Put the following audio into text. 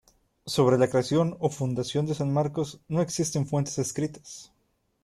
Sobre la creación o fundación de San Marcos no existen fuentes escritas.